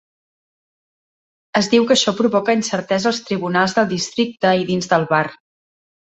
Es diu que això provoca incertesa als tribunals del districte i dins del bar.